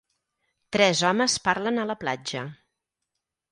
Tres homes parlen a la platja.